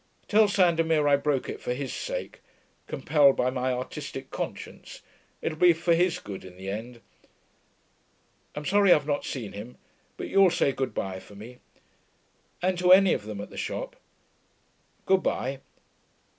Tell Sandomir I broke it for his sake, compelled by my artistic conscience; it'll be for his good in the end.... I'm sorry I've not seen him; but you'll say good bye for me.... And to any of them at the shop.... Good bye....